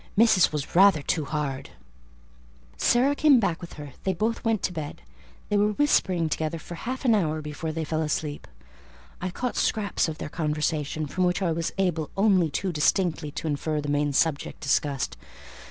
Missis was rather too hard." Sarah came back with her; they both went to bed; they were whispering together for half an hour before they fell asleep. I caught scraps of their conversation, from which I was able only too distinctly to infer the main subject discussed.